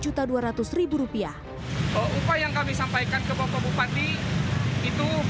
upah yang kami sampaikan ke bapak bupati itu